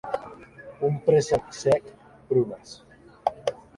Un préssec sec, prunes.